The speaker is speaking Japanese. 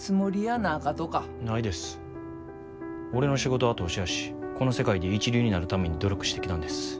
俺の仕事は投資やしこの世界で一流になるために努力してきたんです。